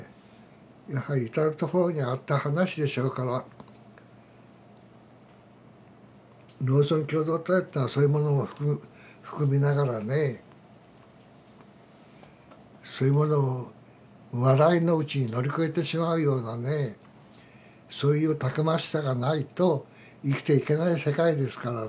やはり至る所にあった話でしょうから農村共同体っていうのはそういうものを含みながらねそういうものを笑いのうちに乗り越えてしまうようなねそういうたくましさがないと生きていけない世界ですからね。